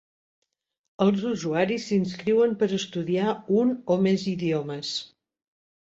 Els usuaris s’inscriuen per estudiar un o més idiomes.